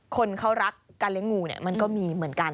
คนเขารักการเลี้ยงงูเนี่ยมันก็มีเหมือนกัน